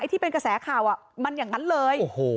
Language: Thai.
ที่เป็นกระแสข่าวมันอย่างนั้นเลย